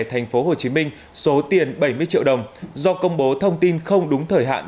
thành phố hồ chí minh số tiền bảy mươi triệu đồng do công bố thông tin không đúng thời hạn